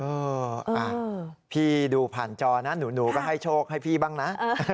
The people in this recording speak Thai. เออพี่ดูผ่านจอนะหนูก็ให้โชคให้พี่บ้างนะ